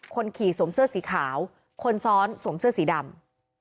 คนขี่สวมเสื้อสีขาวคนซ้อนสวมเสื้อสีดำ